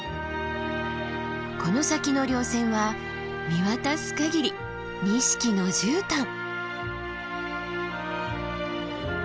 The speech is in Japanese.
この先の稜線は見渡す限り錦のじゅうたん。